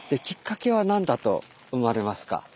きっかけは何だと思われますか？